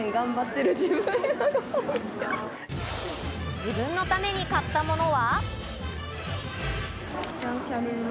自分のために買ったものは？